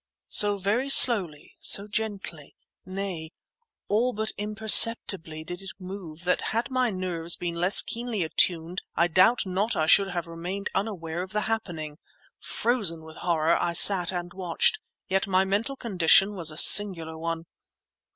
So very slowly, so gently, nay, all but imperceptibly, did it move, that had my nerves been less keenly attuned I doubt not I should have remained unaware of the happening. Frozen with horror, I sat and watched. Yet my mental condition was a singular one.